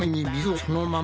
そのまま？